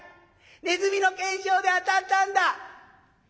ネズミの懸賞で当たったんだ」。